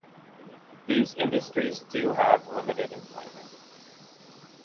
These industries do have limited employment.